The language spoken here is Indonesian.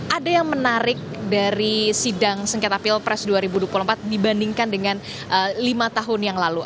ada yang menarik dari sidang sengketa pilpres dua ribu dua puluh empat dibandingkan dengan lima tahun yang lalu